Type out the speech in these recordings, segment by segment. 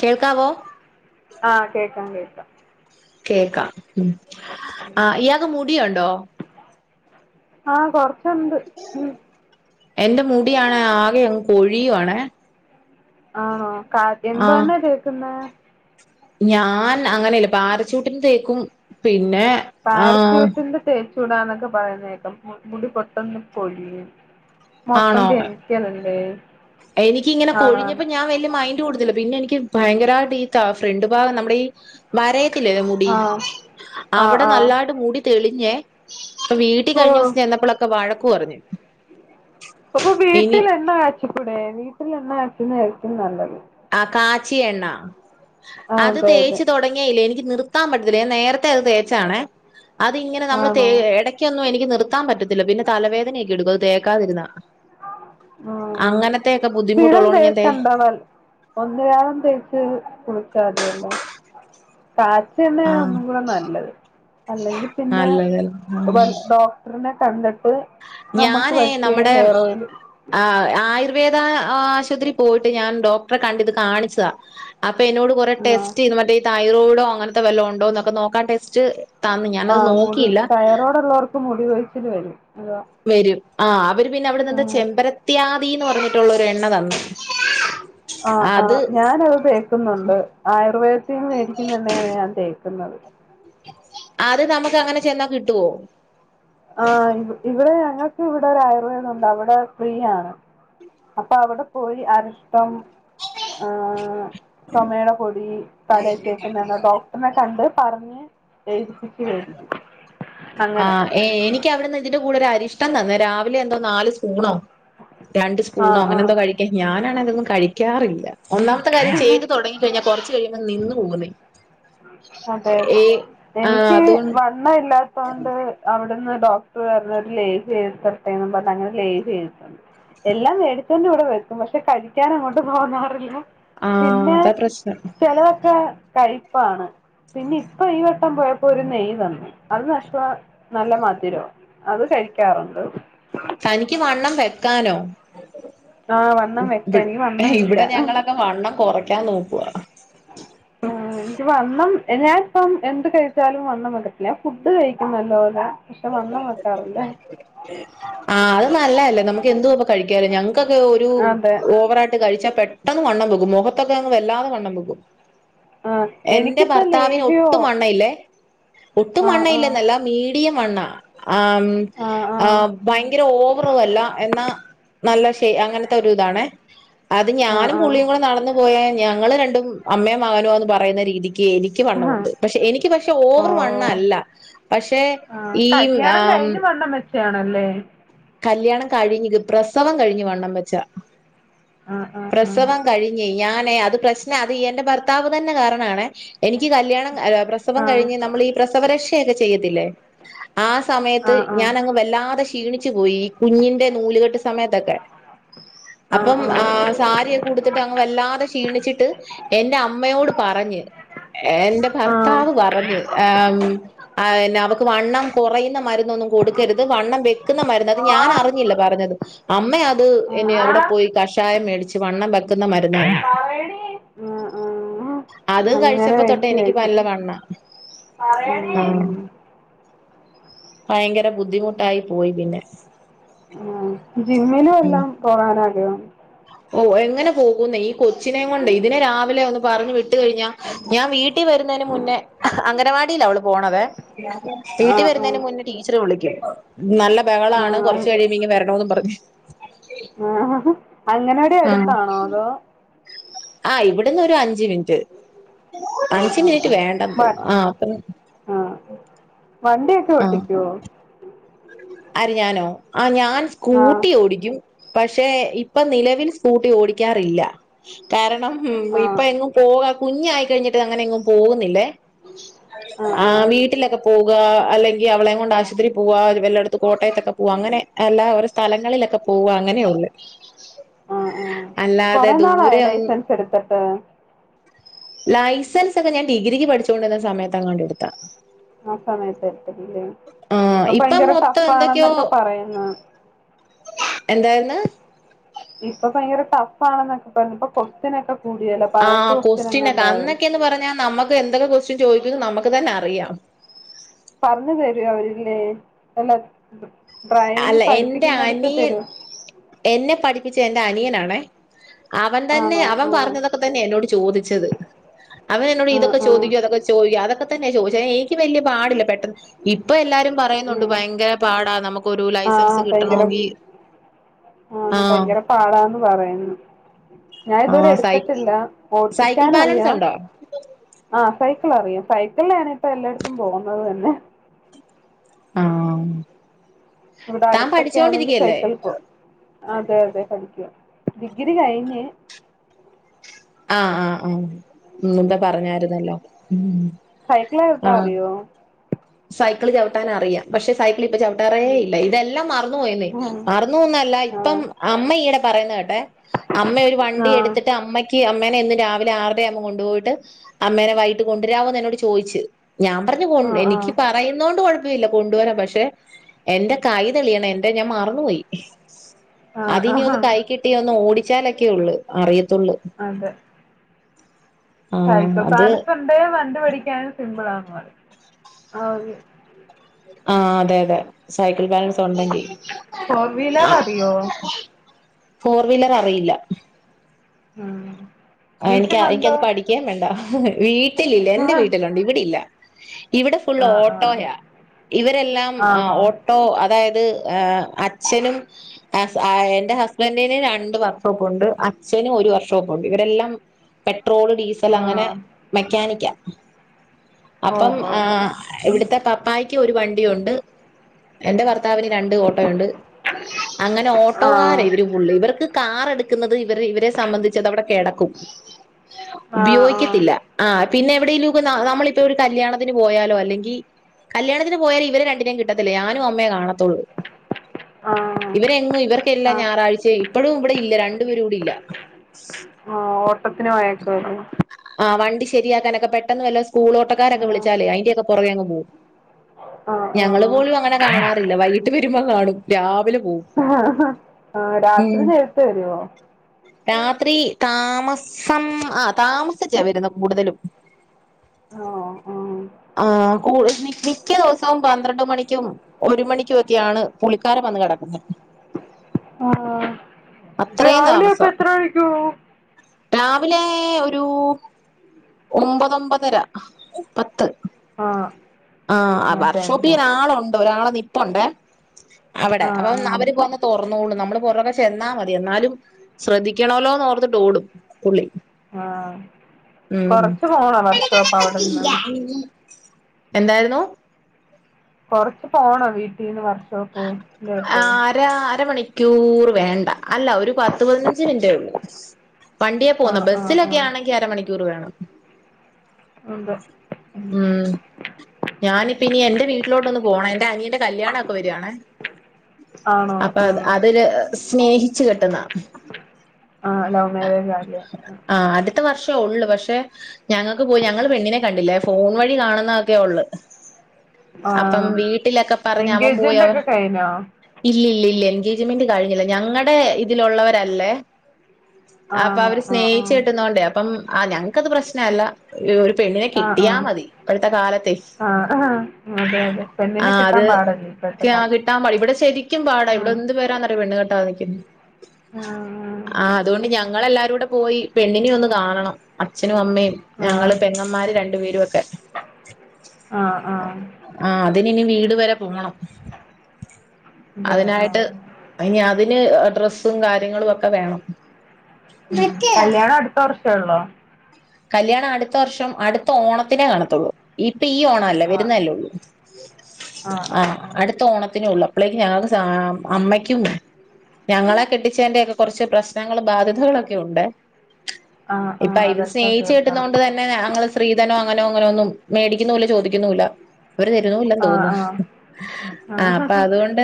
കേൾക്കാവോ? ആഹ് കേൾക്കാം കേക്കാം കേക്കാം മ് ആഹ് ഇയാക് മു ഡി ഉണ്ടോ ആഹ് കൊറച്ചുണ്ട് ഉം എന്റെ മുടിയാണ് ആകെങ് കോഴിയു ആണേ ആണോ കാ എന്താന്ന കേക്ന്നെ ഞാൻ അങ്ങനെയല്ല പാറച്ചൂട്ടിന് തേക്കും പി ന്നെ ആഹ് ചൂടാന്നൊക്കെ പറയുന്നേക്കം മുടി പൊട്ടന്ന് കൊഴിയ്യും മൊത്തം ആണോ കെമ്മിക്കലേല്ലേ എനിക്കിങ്ങനെ കൊഴിഞ്ഞപ്പോ ഞാൻ വെല്യ മൈന്റ് കൊടുത്തില്ല പിന്നെ എനിക്ക് ക്ക് ഭയങ്കരായിട്ട് ഈ ഫ്രണ്ട് ഭാഗം നമ്മുടെ ഈ വരയത്തില്ലല്ലേ മുടി ആഹ് ആഹ് അവിടെ ആഹ് നല്ലായിട്ട് മുടി തെളി ഏ ഇപ്പ വീട്ടി ഓഹ് കഴിഞ്ഞദിവസം ചെന്നപ്പഴൊക്കെ വഴക്ക് ക്ക് പറഞ്ഞു. അപ്പൊ ഇനി വീട്ടില് എണ്ണ കാച്ചിക്കൂടേ ഇത്തിരി എണ്ണ ആക്കുന്ന ആയിരിക്കും നല്ലത് ആ കാച്ചിയ എണ്ണ ആഹ് അത് അതെ അതെ തേച്ച് തൊടങ്ങിയ ഇല്ലേ എനി നിർത്താൻ പറ്റത്തില്ല ഞാൻ നേരത്തെ അത് തേച്ചാണെ അത് ഇങ്ങനെ നമ്മള് തേ ആണോ എടയ്ക്കൊന്നും എനിക്ക് നിർത്താൻ പറ്റിത്തി [unintelligible] പിന്നെ തലവേദനയൊക്കെ എടുക്കും അത് തേക്കാതിരുന്ന ആ സ്ഥിരം ബുദ്ധിമുട്ടുള്ളോണ്ട് ഞാൻ തേ തേക്കണ്ടവൻ ഒന്നരാടം തേച്ച് കുളിച്ചാതിയല്ലൊ കാച്ചിയ എണ്ണയാ ആഹ് ഒന്നുകൂടെ നല്ലത് അല്ലെങ്കി പിന്നെ നല്ലതല്ല വ ആഹ് ഡോക്ടർനെ [unintelligible] ഞാനേ നമ്മടെ ഓയിൽ ആ ആയിർ [unintelligible] ദാ ആശുപത്രി പോയിട്ട് ഞാൻ ഡോക്ടറെ കണ്ടിത് കാണിച്ചതാ അ അപ്പ എന്നോട് കൊറെ ആ ടെസ്റ്റ്യ്യ്ന്നു മറ്റേ തൈറോയിഡോ അങ്ങനത്തെ വല്ലോം ഒണ്ടോന്നൊക്കെ നോക്കാൻ ടെസ്റ്റ് തന്ന് ആ ഞാനത് മുടി നോക്കിയില്ല തയ്റോഡുള്ളോർക്ക് മുടി കൊഴിച്ചിൽ വരും അതാ വരും ആഹ് അവര് പിന്നെ അവിടെ നിന്ന് ആഹ് ചെമ്പരത്യാദിന്ന് പറഞ്ഞിട്ടുള്ളൊരു എണ്ണ തന്ന് ആ ആ ഞാനത് തേക്ക്ന്നുണ്ട് ആയുർവേദത്തിന്ന് മേടിക്കുന്ന എണ്ണയാണ് ഞാൻ തേ ക്ക്ന്നത് അത് നമ്മക്ക് അങ്ങനെ ചെന്നാ കിട്ടോ ആഹ് ഇ ഇവിടെ ഞങ്ങക്ക് ഇവിടെ ഒരു ആയുർവേദം ഉണ്ട്, അവിടെ ഫ്രീയാണ്, അപ്പൊ അവിടെ പോയി അരിഷ്ടം ആഹ് ചൊമേടെ പൊടി തലേ തേക്കുന്നെ ഡോക്ടറിനെ കണ്ട് പറഞ്ഞ് എഴുതിപ്പിച്ച് കഴിക്കും. ആ ഏ എനി ക്കി അവ്ട്ന്ന് ഇതിന്റെ കൂ ഒരു അരിഷ്ടം തന്ന് രാവിലെ എന്തോ നാല് സ്പൂണോ രണ്ട് ആ സ്പൂണോ ആ അങ്ങനെ എന്തോ കഴിക്കാൻ ഞാനാണെ തൊന്നും കഴിക്കാറില്ല ഒന്നാമത്തെ കാര്യം ചെയ്ത് തൊടങ്ങി കഴിഞ്ഞ കൊറച്ച് കഴിയുമ്പോ നിന്ന് പോകുന്നേ അതെ ഏ അതെ ആഹ് എനിക്ക് അതുകൊണ്ട് വണ്ണ ഇല്ലാ [unintelligible] അമ് അവിടുന്ന് ഡോക്ടറ് പറഞ്ഞ് ഒരു ലേഹ്യം എഴുതി തരട്ടേന്നും പറഞ്ഞ് അങ്ങനെ ലേഹ്യം എഴുതിത്തന്ന് എല്ലാം വേടിച്ചോണ്ട് ഇവിടെ വെക്കും പക്ഷെ കഴിക്കാൻ അങ്ങോട്ട് തോന്നാറില്ല ആഹ് പിന്നെ അതാ പ്രശ്നം ചെലതൊക്കെ [unintelligible] പ്പാണ് പിന്നെ ഇപ്പ ഈ വട്ടം പോയപ്പോ ഒരു നെയ് തന്ന് അത് നഷ്വാ നല്ല മധുരവാ അത് കഴിക്കാറുണ്ട് തനിക്ക് വണ്ണം വെക്കാനോ ആ വണ്ണം വെക്കാൻ എനിക്ക് ഇവിടെ വണ്ണമില്ല ഞങ്ങളൊക്കെ വണ്ണം കൊ യ്ക്കാനോക്കുവാ ആ എനിക്ക് വണ് ഞാനിപ്പം എന്ത് കഴിച്ചാലും വണ്ണം വെക്കത്തില്ല ഞാ ഫുഡ് കഴിക്കും നല്ലോലെ ആ അത് നല്ലല്ലേ നമുക്ക് എന്തുവപ്പ കഴിക്കാല ഞങ്ങക്കൊക്കെ ഒരു അതെ ഓവറായിട്ട് കഴിച്ച പെട്ടെന്ന് വണ്ണം വെക്കും മുഖത്തൊക്കെ അങ്ങ് വെല്ലാതെ വണ്ണംവെക്കും ആ എനിക്കിപ്പ ലേഹ്യോ വണ്ണയില്ലേ ഒട്ടും ആഹ് വണ്ണയില്ലെന്നല്ല മീഡിയം [unintelligible] ആം ആഹ് ആ ആഹ് ഭയങ്കര ഓവറുവല്ല എന്നാ നല്ല ഷേ അങ്ങനത്തെ ഒരു ഇതാണെ അത് ആഹ് ഞാനും ആഹ് പുള്ളിയും കൂടെ നടന്നു പോയാ ഞങ്ങള് രണ്ടും അമ്മേം മകനുവാന്ന് പറയുന്ന [unintelligible] എനിക്ക് ആഹ് ആഹ് വണ്ണമുണ്ട് പക്ഷെ എനിക്ക് പക്ഷെ ഓവർ ഓഹ് ഓഹ് വണ്ണല്ല പക്ഷെ ഈ ആം കഴിഞ്ഞ വന്ന [unintelligible] ആണല്ലേ കല്യാണം കഴിഞ്ഞു ത്പ്രസവം കഴിഞ്ഞ് വണ്ണം വച്ച ആഹ് ആഹ് പ്രസവം കഴിഞ്ഞെ [unintelligible] ഞാനെ അത് പ്രശ്നാ അത് എന്റെ ഭർത്താവ് തന്നെ കാരണാണെ എനിക്ക് കല്യാണം ക പ്രസവം ആഹ് കഴിഞ്ഞ് നമ്മളീ പ്രസവ രക്ഷയൊക്കെ ചെയ്യത്തില്ലേ ആ സമയത്ത് ആഹ് ആഹ് ഞാനങ്ങ് വല്ലാതെ ഷീ [inaudible] ച്ച് പോയി കുഞ്ഞിന്റെ നൂലു---കെട്ട് സമയത്തക്കെ. ആഹ് അപ്പം ആഹ് ആ സാരിയക്കടുത്തിട്ട് അങ് വല്ലാതെ ക്ഷീണിച്ചിട്ട് എന്റെ അമ്മയോട് പറഞ്ഞ് എന്റെ ആഹ് ഭർത്താവ് പറഞ്ഞ് അവക്ക് വണ്ണം കൊറയുന്ന ഒന്നും കൊടുക്കരുത് വണ്ണം വ ക്കുന്ന മരുന്ന് അത് ഞാൻ ആഹ് അറിഞ്ഞില്ല പറഞ്ഞത് അമ്മ അത് നെ ആഹ് അവിടെ ആഹ് ആഹ് പോയി കഷായം മേടിച്ച് വണ്ണം വെക്കുന്ന മരുന്ന് തന്ന്. അത് അങ്ങനെ കഴിച്ചപ്പോ തൊട്ട് മേടിച്ച് എനിക്ക് കഴിക്കും നല്ല വണ്ണാ പറയടി ഭയങ്കര ബുദ്ധിമുട്ടായി പോയി പിന്നെ ആ ജിമ്മില് ഉം വല്ലോം പോകനാഗ്രഹം ഓ എങ്ങനെ പോകുന്ന ഈ കൊച്ചിനെയ കൊണ്ട് ഇതിനെ രാവിലെ ഒന്ന് പറഞ്ഞു വിട്ട കഴിഞ്ഞാ ഞാൻ വീ ട്ടി വരുന്നതിന് മുന്നേ അംഗനവാടി ലാ അവള് പോണത് വീട്ടി ആഹ് വരുന്നതിന് മുന്നേ ടീച്ചറ് വിളിക്കും നല്ല ബഹളമാണ് ആഹ് കുറച്ച് കഴിയുമ്പോ ഇങ്ങ വരണമന്ന് പറഞ്ഞു [unintelligible] ആഹ ഹ അംഗനവാടി അടുത്താണോ അതോ ആഹ് ഇവിടന്ന് ഒരു അഞ്ച് അഞ്ച് മിനിറ്റ് ആഹ് അഞ്ച് ആഹ് മിനിറ്റ് ആഹ് വേണ്ട വ പോകും ആ അ ആഹ് വണ്ടിയൊക്കെ ഓട്ടിക്കുവോ അരിഞാനോ ആ ഞാൻ ആഹ് സ്കൂട്ടി ഓടിക്കും പക്ഷെ ഇപ്പൊ നിലവിൽ സ്കൂട്ടി ഓടിക്കാറില്ല കാരണം ഉം ഇപ്പ ആഹ് എങ്ങും പോക കുഞ്ഞായി കഴിഞ്ഞിട്ട് അങ്ങനെയ എങ്ങും പോകുന്നില്ലേ ആഹ് ആ ആഹ് വീട്ടിലൊക്കെ പോവുക അല്ലെങ്കി അവളെ കൊണ്ട് ആശുത്രി പോവാ വല്ലടും കോട്ടയത്തൊക്കെ പോക അങ്ങനെ എല്ലാ ഒരു സ്ഥലങ്ങളിലൊക്കെ പോക അങ്ങനെയ ഉള്ളു ആ ആ കൊറെ നാളായ ദൂരെ ഒന്നും ലൈസൻസ് എടുത്തിട്ട് ലൈസൻസ് ഒക്കെ ഞാൻ ഡിഗ്രിക്ക് പഠിച്ചുകൊണ്ടിരുന്ന സമയത്തെങ്ങാണ്ട് എടുത്ത ആ സമയത്ത് എടുത്തേക്കണല്ലേ ആ ഇപ്പൊ ഇപ്പം ഭയങ്കര മൊത്തം ടഫ് ആണെന്നൊക്കെ പറയുന്നു എന്തായിരുന്ന് ഇപ്പൊ ഭയങ്കര ടഫ് ആണെന്നൊക്കെ പറഞ്ഞു ഇപ്പൊ കൊസ്റ്റിനൊക്കെ ആഹ് കൊസ്റ്റിനൊക്കെ അന്നൊക്കെന്ന് പറഞ്ഞാ നമ്മുക്ക് എന്തൊക്കെ കൊസ്റ്റൻ ചോദിക്കുന്ന് നമുക്ക് തന്നെ അറിയാം പറഞ്ഞു തരൂ അവരില്ലേ എല്ലാ അല്ല എൻ്റെ അനിയൻ എന്നെ പഠിപ്പിച്ച ന്റെ അനിയൻ ആണേ അവൻ തന്നെ ആണോ അവൻ ആഹ് പറഞ്ഞതൊക്കെ തന്നെ എന്നോട് ചോദി ച്ചത് അവൻ എന്നോട് ആഹ് ഇതൊക്കെ ആഹ് ചോദിക്ക അതൊക്കെ ചോദിക്ക അതൊക്കെ തന്നെ ചോദിച്ചത് എനിക്ക് വലിയ പാടില്ല പെട്ടന്ന് ഇപ്പൊ എല്ലാരും പറയുന്നുണ്ട് ഉം ഭയങ്കര പാടാ നമുക്ക് ഒരു ലൈസൻസ് ആഹ് ഭയങ്കര കിട്ടാനൊഗിൽ ആണ് ഭയങ്കര പാടാന്ന് പറയന്ന് ഞാൻ ഇതുവരെ ആഹ് സൈ എടുത്തിട്ടില്ല സൈക്കിൾ ഓട്ടിക്കാൻ ബാലൻസ് അറിയാം ഉണ്ടോ? ആ [unintelligible] റയും സൈക്കളിലനിപ്പ എല്ലായിടത്തും പോകുന്നത് തന്നെ ആഹ് ഇവിടെ താൻ അടുത്തൊക്കെ ആണെങ്കി പഠിച്ചോണ്ടിരിക്കയല്ലേ? സൈക്കിൾ പോവും അതെ അതെ പഠിക്കുവാ ഡിഗ്രി കഴിഞ്ഞ് ആഹ് ആഹ് ആ ഉമ്മിന്റപറഞ്ഞായിരുന്നല്ലോ ഉം ഉം സൈക്കിള് ചവിട്ടാൻ ആഹ് അറിയോ സൈക്കിള് ചവിട്ടാന അറിയാം പക്ഷെ സൈ ഇപ്പ ചവിട്ടാറേ ഇല്ല ഉം ഇതെല്ലാം മറന്നു പോയിന്നെ ആഹ് മറന്നുന്നല്ല ഇപ്പം ആഹ് അമ്മ ഈടെ പറയുന്ന കേട്ട അമ്മ ഒരു വണ്ടി ആഹ് എടുത്തിട്ട് അമ്മയ്ക്ക് അമ്മേനെ ഇന്ന് രാവിലെ ആരരെ ആവുമ്പോ കൊണ്ടുപോയിട്ട് അമ്മേനെ വൈകട്ട് കൊണ്ടുവരാവോ എന്ന് ചോയ്ച്ച് ഞാൻ പറഞ്ഞു ആഹ് [unintelligible] എനിക്ക് ആഹ് എന്നോണ്ട് കുഴപ്പമില്ല കൊണ്ടുവരാൻ പക്ഷെ എന്റെ കൈ തെളിയണം എന്റെ ഞാൻ മറന്നുപോയി ആഹ് അതിന്ന് ആഹാ ഒന്ന് കൈ കിട്ടി ഒന്ന് ഓടി ചേലെക്ക്യുള്‌ള അറിയും ത്തുള്‌ള സായിക്കോ [unintelligible] സാ നൊക്കെണ്ട് പറി പഠിക്കാന്നും സിമ്പിളാണ്ന്ന് പറഞ്ഞു ആര് ആഹ് അതെ അതെ സൈക്കിൾ ബാലൻസ് ഉണ്ടെങ്കിൽ ഫോർ വീലർ അറിയോ? ഫോർ വീലർ അറിയില്ല ഉം എനിക്ക് വീട്ടിലുണ്ടോ? എനിക്കത് പഠിക്കാൻ വേണ്ട ഹ് ഹ് വീറ്റ് [inaudible] ട്ടിലില്ല്യ എന്റെ ആഹ് വീട്ടിലുണ്ട്ണ്ട ഇവിടെ ഇല്ല ഇവിടെ ഫുൾ ആഹ് ഓട്ടോയ ഇവരെല്ലാം ആണോ? ഓട്ടോ അതായത് അത് [unintelligible] അച്ഛനും എന്റെ ഹസ്ബൻറിന് രണ്ട് വർഷോപ്പുണ്ട് അച്ഛനും ഒരു വർഷോപ്പുണ്ട് ഇവരെല്ലാം [inaudible] ട്രോൾ ഡീസൽ അങ്ങനെ ആഹ് മെക്കാനിക്ക് ഓഹ് അപ്പം ഹ്ആ ഓഹ് ഇവിടുത്തെ പ്പായ്ക്ക് ഒരു വണ്ടിയൊണ്ട് എന്റെ ഭർത്താവിന് രണ്ട് ഓട്ടോ ഉണ്ട് അങ്ങനെ ഓട്ടോകാരാ ആഹ് ഇവര് ഫുള്ളള് ഇവർക്ക് കാറെടുക്കുന്നത് ഇവരെ ഇവരെ സംബന്ധിച്ച് അത് അവിടെ കെടക്കും ആഹ് ആഹ് ഉപയോഗിക്കത്തില്ല ആ പിന്നെ എവിടേലും ഒക്കെ നമ്മളിപ്പൊ ഒരു കല്യാണത്തിന് പോയാലോ അല്ലെ ങ്കി കല്യാണത്തിന് പോയാൽ ഇവരെ രണ്ടിനേം കിട്ടത്തില്ല ഞാനും അമ്മേ കാണ ആഹ് [inaudible] ഇവരെങ്ങും ആഹ് ഇവർക്കെല്ലാം ആഹ് ഞായറാഴ്ച ഇപ്പടും ഇവിടെ ഇല്ല രണ്ടുപേരും ഇവിടെ ഇല്ല പ്പത്തിന് വയക്കാരുന്നു ആ വണ്ടി ശരിയാക്കാനൊക്കെ പെട്ടെന്ന് വല്ലോം സ കൂളോട്ടക്കാരൊക്കെ ആഹ് വിളിച്ചാലേ അയിന്റെയൊക്കെ പുറവേ അങ്ങ് [inaudible] ആഹ് ഞങ്ങള് പോലും അങ്ങനെ കാണാറില്ല വൈകിട്ട് വരുമ്പം [inaudible] ണും രാവിലെ പോവും ആ ഉം രാത്രി നേരത്തെ വരുവോ രാത്രി താമസ്സം ആ താമ [inaudible] വരുന്നേ കൂടുതലും ആഹ് ആഹ് ആ കൂടെ നി മിക്ക ദിവസോം പന്ത്രണ്ട് മണിക്കും ഒരു മണിക്കും ഒക്കെയാണ് പുളിക്കാരൻ വന്ന് കിടക്കുന്നെ ആ അത്രയും രാവിലെ അപ്പൊ എത്ര മണിക്ക് പോവും രാവിലേ ഒരു ഒമ്പൊതൊമ്പതര പത്ത് ആ ആ ടൈമിന് വർഷോപ്പ് ചെയ്യാൻ പോവും ആളൊണ്ട് ഒരാളെ നിപ്പൊണ്ടെ അവടെ ആഹ് അപ്പ അവര് ആഹ് [unintelligible] തൊറന്നോളും നമ്മള് പുറവെ ചെന്നാ മതി എന്നാലും ശ്രദ്ധിക്കണോല്ലോന്ന് ഓർത്തിട്ട് ഓടും പുള്ളി ആ ഉം കൊറച്ച് പോണോ വർഷോപ്പ് അവിടന്ന് എന്താരുന്നു കൊറച്ച് പോണോ വീട്ടിന്ന് വർഷ [unintelligible] ക്യൂ വേണ്ട അല്ല ഒരു പത്ത് പതിനഞ്ച് മിൻ്റേഉള്ളൂ വണ്ടിയെ പോന്ന ആഹ് ആഹ് ബസ്സിലൊക്കെ ആഹ് ആണെങ്കിൽ അരമണിക്കൂറ് വേണം ഉന്തോ ഉം ഞാനിപ്പ ഇനി എന്റെ വീലോട്ടൊന്ന് പോണം എന്റെ അനിയന്റെ കല്യാണക്കെ വരുവാണേ ആണോ അപ്പൊ ആഹ് അതില് സ്നേഹി ച് കെട്ടുന്ന ആഹ് ലവ് മേരേജ് ആല്ലേ പക്ഷേ ഉള്ളൂ പക്ഷെ ഞങ്ങൾക്ക് പോയി ഞങ്ങള് പെണ്ണിനെ കണ്ടില്ല ഫോൺ വഴി കാണുന്ന മാത്രമേ ഉള്ളു ആ അപ്പം ആഹ് വീട്ടിലൊക്കെ പറഞ്ഞ അവൻ എൻഗേജ്മെന്റ് പോയിവ ഒക്കെ കഴിഞ്ഞോ ഇല്ലില്ല ഇല്ല എൻഗേജ്മെന്റ് കഴിഞ്ഞില്ല ഞങ്ങളടെ ഇതിലുള്ളവരല്ലേ അപ്പൊ ആണോ അവര് ആഹ് സ്നേഹിച്ചു ആഹ് കെട്ടുന്നോണ്ടേ അപ്പം ആഹ് ഞങ്ങക്കത് പ്രശ്ന അല്ല ഒരു പെണ്ണിനെ ആഹ് കിട്ടിയാൽ മതി ഇപ്പോഴത്തെ കാലത്ത് ആഹ് ആഹ് അതെ അതെ ആ പെണ്ണിനെ കിട്ടാൻ പാടല്ലേ അത്ക്കെ ഇപ്പഴത്തെ ആ കാലത്ത് കിട്ടാൻ പാട ഇവിടെ ശരിക്കും പാടാ ഇവിടെ ആഹ് എന്ത് പാന്നറിയോ പെണ്ണ് കിട്ട സാധിക്കുന്നു ആ ആ അതുകൊണ്ട് ഞങ്ങളെല്ലാരുടെ പോയി പെണ്ണിനെ ഒന്ന് കാണണം അച്ഛനും അമ്മയും ആ ഞങ്ങള് പെങ്ങന്മാര് രണ്ടു പേരും ഒക്കെ ആ ആ ആഹ് അതിനിനി വീട് വരെ പോകണം അതെ ആ അതിനായിട്ട് ഇനി അതിന് ഡ്രസ്സും കാര്യങ്ങളും ഒക്കെ വേണം ഉം കല്യാണം അടുത്ത വർഷേ ഉള്ളോ കല്യാണം അടുത്ത വർഷം അടുത്ത ഓണത്തിനെ കാണത്തുള്ളൂ ഈ ഇപ്പൊ ഈ ഓണംമല്ല ആ വരുന്നല്ലേ ഉള്ളൂ ആ അടുത്ത ഓണത്തിന് ഉള്ളു അപ്പളേക്ക് ഞങ്ങക്ക് അമ്മയ്ക്കും ഞങ്ങളെ കെട്ടിച്ചതിന്റെഒക്കെ കുറച്ച് പ്രശ്നങ്ങൾ ബാധ്യതകളൊക്കെ ഉണ്ട് ആ ആ അതെ സ്നേഹിച്ചു കെട്ടുന്നതുകൊണ്ട് തന്നെ അങ്ങന സ്ത്രീധനോ അങ്ങനോ അങ്ങനെ ഒന്നും മേടിക്കുന്നു മില്ല ചോദിക്കുന്നുമില്ല അവര് തരുന്നുല്ല ആ ആ തോന്നുന്നു ആ അപ്പൊ അതുകൊണ്ട്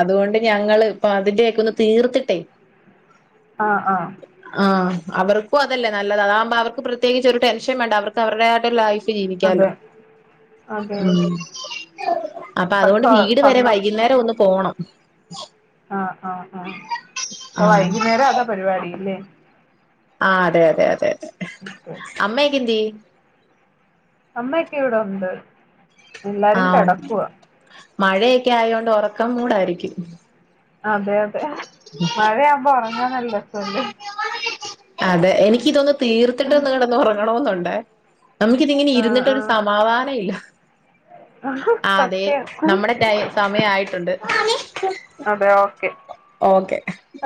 അതുകൊണ്ട് ഞങ്ങള് ഇപ്പ അതിന്റെയൊക്കെ ഒന്ന് തീർത്തിട്ടേ ആ ആ ആ അവർ ഇപ്പോ അതല്ലേ നല്ലത് അതാവുമ്പോ അവർ പ്രത്യേകിച്ച് ഒരു ടെൻഷൻ വേണ്ട അവർക്ക് അവരുടെ ആ [unintelligible] ജീവിക്കാലോ അതെ അതെ അതെ ഉം അപ്പോ ഇപ്പൊ അത്കൊണ്ട് സ്വ വീട് വരെ വൈകിന്നേരം ഒന്ന് പോണം ആഹ് ആഹ് ആഹ് അപ്പ ആഹ് വൈകുന്നേരം അതാ പരിപാടില്ലേ ആ അതെ അതെ അതെ ഓക്കെ ഓക്കെ അമ്മോകേന്തിയെ അമ്മൊക്കെ ഇവിടൊണ്ട് എല്ലാരും ആഹ് കെടക്കുവ മഴയൊക്കെ ആയൊണ്ട് ഒറക്കം മൂടായിരിക്കും അതെ അ മഴയാവുമ്പോ ഒറ [unintelligible] നല്ല രസല്ലേ അതെ എനിക്ക് ഇതൊന്ന് തീർത്തിട്ടൊന്നു കെടന്ന് ഉറങ്ങണന്നുണ്ടെ നമുക്കിതിങ്ങനെ ആ ഇരുന്നിട്ടൊരു ആ സമാധാനല്ല്യ അതെ സത്യം നമ്മുടെ ടൈം സമയായിട്ടുണ്ട് അതെ ഓക്കെ ഓക്കെ